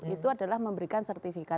itu adalah memberikan sertifikat